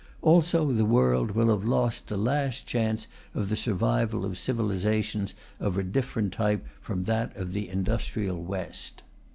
Also the world will have lost the last chance of the survival of civilizations of a different type from that of the industrial West.